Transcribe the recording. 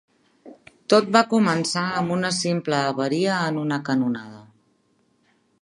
Tot va començar amb una simple avaria en una canonada.